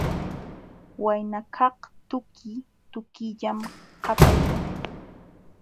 Waynakaq tuki tukillam qapalin.